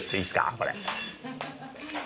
これ。